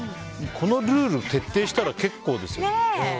このルール徹底したら結構ですよね。